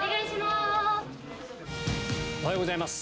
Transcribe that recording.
おはようございます。